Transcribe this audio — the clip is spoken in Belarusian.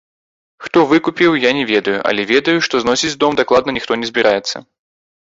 Хто выкупіў, я не ведаю, але ведаю, што зносіць дом дакладна ніхто не збіраецца.